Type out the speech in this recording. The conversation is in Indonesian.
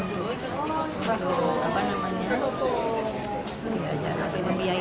jadi untuk sejauh ini memang kami akan bisa buat